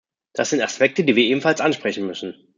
Das sind Aspekte, die wir ebenfalls ansprechen müssen.